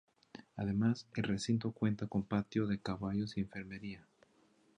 Además, el recinto cuenta con patio de caballos y enfermería.